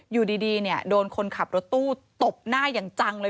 อยู่ดีเนี่ยโดนคนขับรถตู้ตบหน้าอย่างจังเลย